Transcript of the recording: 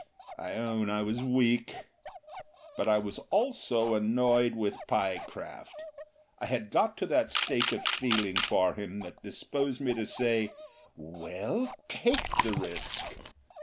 I own I was weak. But I was also annoyed with Pyecraft. I had got to that state of feeling for him that disposed me to say, "Well, TAKE the risk!"